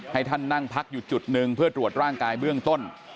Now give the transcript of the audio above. ให้ท่านนั่งพักอยู่จุดหนึ่งเพื่อตรวจร่างกายเบื้องต้น